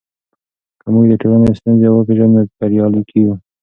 که موږ د ټولنې ستونزې وپېژنو نو بریالي کیږو.